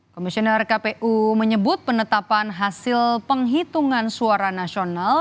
komisioner kpu menyebut penetapan hasil penghitungan suara nasional